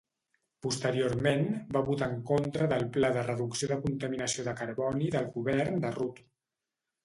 Posteriorment, va votar en contra del Pla de reducció de contaminació de carboni del govern de Rudd.